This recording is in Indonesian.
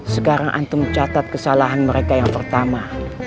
sekarang antum catat kesalahan mereka yang pertama